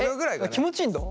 えっ気持ちいいんだ。